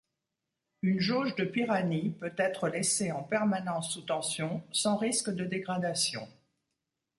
Une jauge de Pirani peut-être laissée en permanence sous tension sans risque de dégradation.